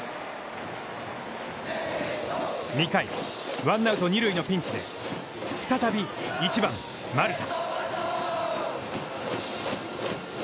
２回、ワンアウト、二塁のピンチで、再び１番丸田。